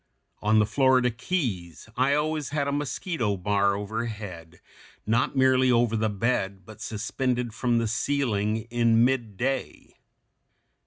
On the Florida Keys I always had a mosquito bar overhead, not merely over the bed but suspended from the ceiling in midday.